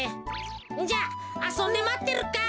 じゃああそんでまってるか。